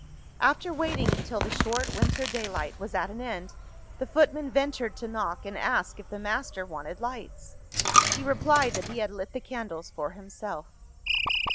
After waiting until the short winter daylight was at an end, the footman ventured to knock, and ask if the master wanted lights. He replied that he had lit the candles for himself.